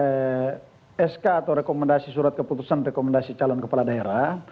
ada sk atau rekomendasi surat keputusan rekomendasi calon kepala daerah